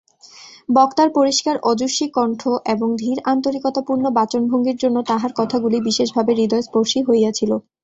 বক্তার পরিষ্কার ওজস্বী কণ্ঠ এবং ধীর আন্তরিকতাপূর্ণ বাচনভঙ্গীর জন্য তাঁহার কথাগুলি বিশেষভাবে হৃদয়স্পর্শী হইয়াছিল।